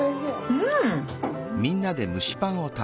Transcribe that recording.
うん！